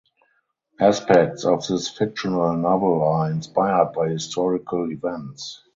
Aspects of this fictional novel are inspired by historical events.